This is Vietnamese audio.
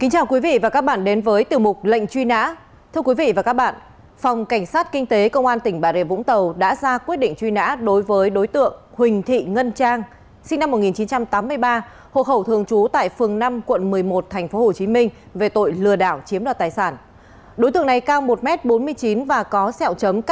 hãy đăng ký kênh để ủng hộ kênh của chúng mình nhé